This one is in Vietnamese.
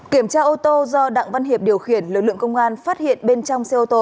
kiểm tra ô tô do đặng văn hiệp điều khiển lực lượng công an phát hiện bên trong xe ô tô